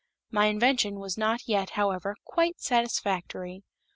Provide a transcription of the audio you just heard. My invention was not yet, however, quite satisfactory.